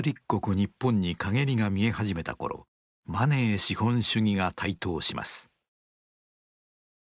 ニッポンに陰りが見え始めた頃マネー資本主義が台頭します。